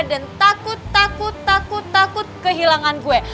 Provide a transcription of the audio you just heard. dan takut takut takut takut kehilangan gue